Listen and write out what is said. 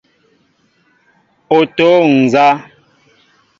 O toóŋ nzá ?